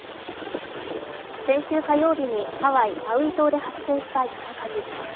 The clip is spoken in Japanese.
先週火曜日にハワイ・マウイ島で発生した山火事。